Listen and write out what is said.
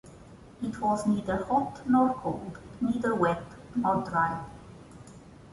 It was neither hot nor cold, neither wet nor dry.